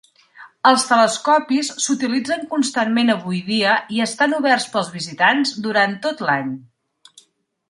Els telescopis s'utilitzen constantment avui dia i estan oberts pels visitants durant tot l'any.